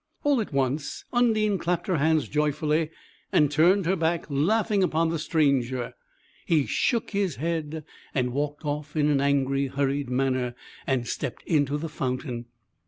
All at once Undine clapped her hands joyfully, and turned her back, laughing, upon the stranger; he shook his head and walked off in an angry, hurried manner, and stepped into the fountain.